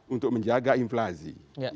untuk menjaga inflasi